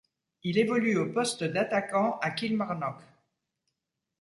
Il évolue au poste d'attaquant à Kilmarnock.